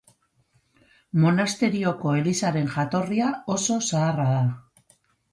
Monasterioko elizaren jatorria oso zaharra da.